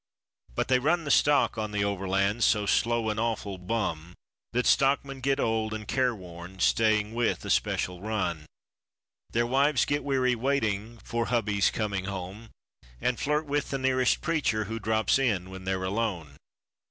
But they run the stock on the Overland, so slow and awful bum That stockmen get old and care worn, staying with a special run. Their wives get weary waiting for hubby's coming home And flirt with the nearest preacher who drops in when they're alone.